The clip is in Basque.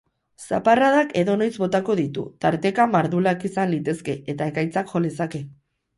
Zaparradak edonoiz botako ditu, tarteka mardulak izan litezke eta ekaitzak jo lezake.